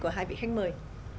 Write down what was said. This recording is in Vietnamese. của hai vị khách mời